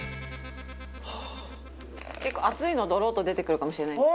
結構熱いのドロッと出てくるかもしれない。